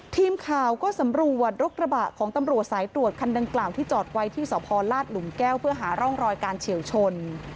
ทีมข่าวก็สำรวจรถกระบะของตำรวจสายตรวจคันดังกล่าวที่จอดไว้ที่สพลาดหลุมแก้วเพื่อหาร่องรอยการเฉียวชน